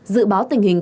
dự báo tình hình